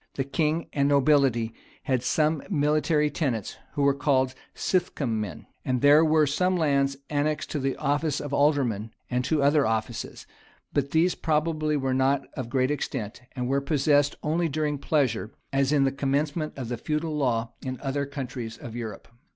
The king and nobility had some military tenants, who were called "sithcun men."[] And there were some lands annexed to the office of aldermen, and to other offices; but these probably were not of great extent, and were possessed only during pleasure, as in the commencement of the feudal law in other countries of Europe.